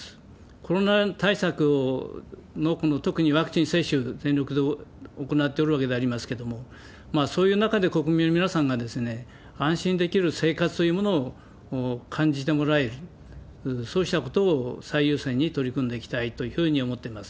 コロナ対策を、特にワクチン接種、全力で行っておるわけでありますけれども、そういう中で国民の皆さんが安心できる生活というものを感じてもらえる、そうしたことを最優先に取り組んでいきたいというふうに思ってます。